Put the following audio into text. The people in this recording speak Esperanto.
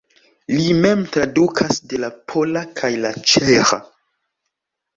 Li mem tradukas de la pola kaj la ĉeĥa.